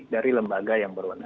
dari lembaga yang berwarna